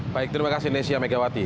baik terima kasih nesya megawati